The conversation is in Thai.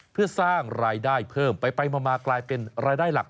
เพื่อสร้างรายได้เพิ่มไปมากลายเป็นรายได้หลัก